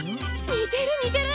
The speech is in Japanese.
似てる似てる！